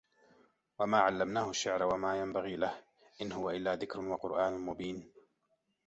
وَما عَلَّمناهُ الشِّعرَ وَما يَنبَغي لَهُ إِن هُوَ إِلّا ذِكرٌ وَقُرآنٌ مُبينٌ